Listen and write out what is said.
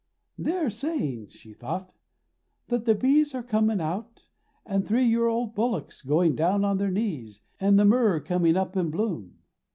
'They're saying,' she thought, 'that the bees are coming out, an' the three year old bullocks going down on their knees, an' the myrrh coming up in bloom.'